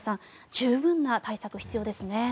十分な対策が必要ですね。